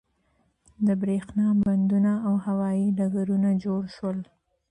د بریښنا بندونه او هوایی ډګرونه جوړ شول.